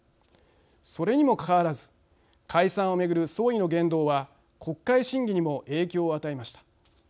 それにもかかわらず解散を巡る総理の言動は国会審議にも影響を与えました。